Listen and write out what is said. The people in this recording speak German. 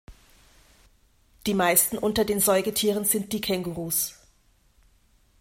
Die meisten unter den Säugetieren sind die Kängurus.